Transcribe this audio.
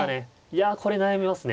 いやこれ悩みますね。